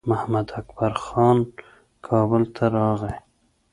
محمداکبر خان کابل ته راغی.